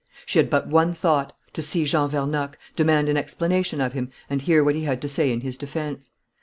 She had but one thought: to see Jean Vernocq, demand an explanation of him, and hear what he had to say in his defence.